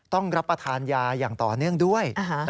ต้องรับประทานยาอย่างต่อเนื่องด้วย